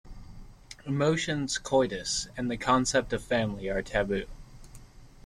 Emotions, coitus, and the concept of family are taboo.